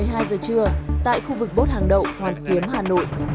một mươi hai giờ trưa tại khu vực bốt hàng đậu hoàn kiếm hà nội